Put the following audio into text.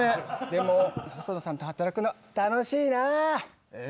でも細野さんと働くの楽しいな！え？